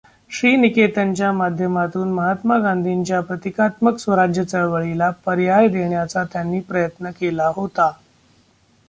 श्री निकेतनच्या माध्यमातून महात्मा गांधींच्या प्रतिकात्मक स्वराज्य चळवळीला पर्याय देण्याचा त्यांनी प्रयत्न केला होता.